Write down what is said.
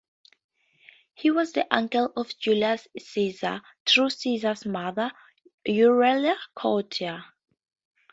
He was the uncle to Julius Caesar through Caesar's mother, Aurelia Cotta.